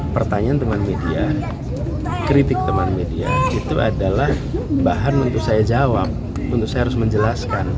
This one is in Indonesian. pertanyaan teman media kritik teman media itu adalah bahan untuk saya jawab untuk saya harus menjelaskan